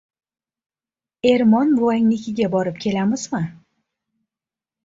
— Ermon buvangnikiga borib kelamizmi?